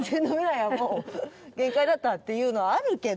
限界だったっていうのはあるけど。